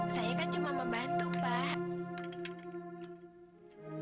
saya kan cuma membantu pak